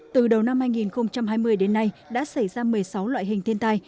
từ đầu năm hai nghìn hai mươi đến nay đã xảy ra một mươi sáu loại hình thiên tai